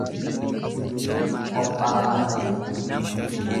Qophaa'aadha jechuudha.